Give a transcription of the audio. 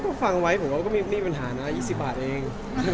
ก็ฟังไว้มีปัญหานะ๒๐บาทเอง